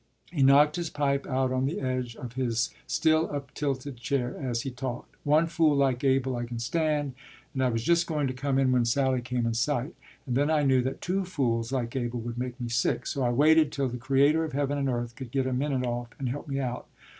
He knocked his pipe out on the edge of his still uptilted chair, as he talked. “One fool like Abel I can stand, and I was just going to come in when Sally came in sight; and then I knew that two fools like Abel would make me sick. So I waited till the Creator of heaven and earth could get a minute off and help me out.